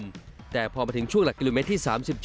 จนจนจบถึงช่องถูกหลักกลิมเมตรที่๓๗